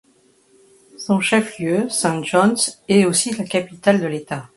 Son chef-lieu, Saint John's et aussi la capitale de l'état.